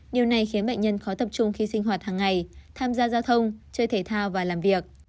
điều này khiến bệnh nhân khó tập trung khi sinh hoạt hàng ngày tham gia giao thông chơi thể thao và làm việc